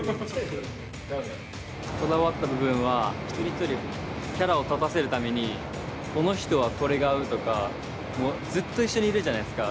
こだわった部分は一人一人キャラを立たせるためにこの人はこれが合うとかもうずっと一緒にいるじゃないですか。